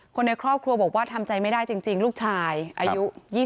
คนในครอบครัวบอกว่าทำใจไม่ได้จริงลูกชายอายุ๒๒